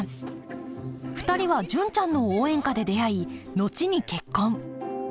２人は「純ちゃんの応援歌」で出会い後に結婚